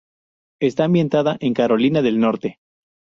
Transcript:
Está ambientada en Carolina del Norte.